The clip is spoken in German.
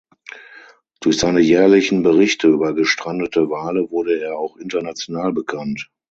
Durch seine jährlichen Berichte über gestrandete Wale wurde er auch international bekannt.